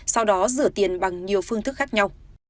sau đó rửa tiền bằng nhiều phương thức khác nhau